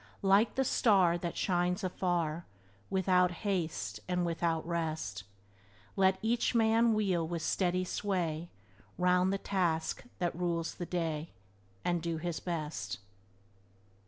"Like the star That shines afar, Without haste And without rest, Let each man wheel with steady sway Round the task that rules the day. And do his best."